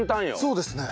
そうですね。